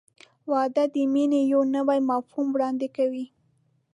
• واده د مینې یو نوی مفهوم وړاندې کوي.